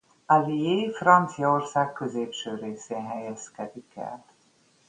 Allier Franciaország középső részén helyezkedik el.